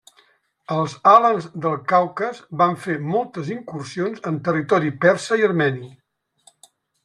Els alans del Caucas van fer moltes incursions en territori persa i armeni.